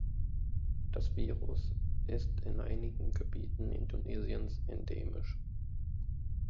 Das Virus ist in einigen Gebieten Indonesiens endemisch.